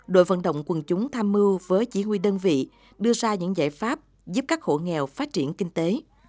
đội vận động quần chúng tham mưu với chỉ huy đơn vị đưa ra những giải pháp giúp các hộ nghèo phát triển kinh tế